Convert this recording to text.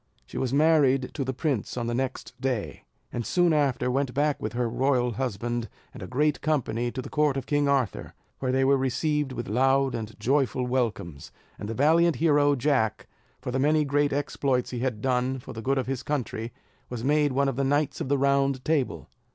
She was married to the prince on the next day, and soon after went back with her royal husband, and a great company, to the court of King Arthur, where they were received with loud and joyful welcomes; and the valiant hero Jack, for the many great exploits he had done for the good of his country, was made one of the Knights of the Round Table.